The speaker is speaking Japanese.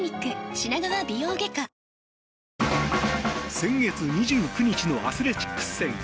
先月２９日のアスレチックス戦。